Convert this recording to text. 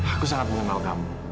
aku sangat mengenal kamu